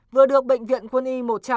vừa được bệnh viện quân y